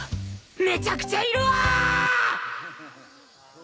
めちゃくちゃいるわ！